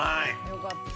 よかった。